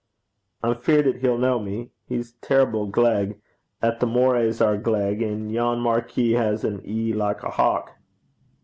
'I'm feared 'at he ken me. He's terrible gleg. A' the Morays are gleg, and yon marquis has an ee like a hawk.'